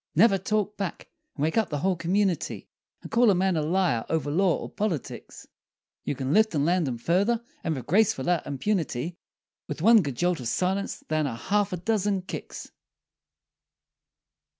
Never talk back, and wake up the whole community, And call a man a liar, over law, or Politics, You can lift and land him furder and with gracefuller impunity With one good jolt of silence than a half a dozen kicks!